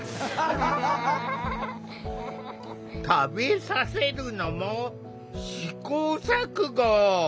食べさせるのも試行錯誤。